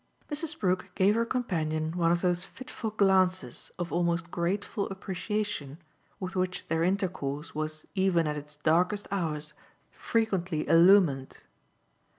Mrs. Brook gave her companion one of those fitful glances of almost grateful appreciation with which their intercourse was even at its darkest hours frequently illumined.